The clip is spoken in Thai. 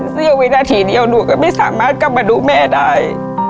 เสียวินาทีเดียวหนูก็ไม่สามารถกลับมาดูแม่ได้